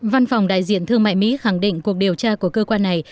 văn phòng đại diện thương mại mỹ khẳng định cuộc điều tra của cơ quan này